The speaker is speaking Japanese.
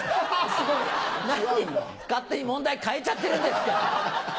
何勝手に問題変えちゃってるんですか。